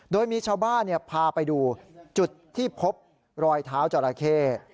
โดยมีชาวบ้านพาไปดูจุดที่พบรอยเท้าจราเข้